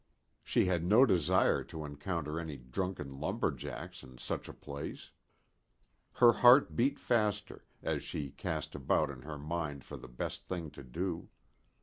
She had no desire to encounter any drunken lumber jacks in such a place. Her heart beat faster, as she cast about in her mind for the best thing to do.